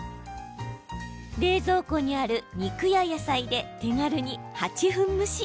冷蔵庫にある肉や野菜で手軽に８分蒸し。